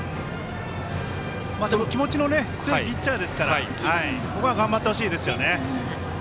気持ちの強いピッチャーですからここは頑張ってほしいですね。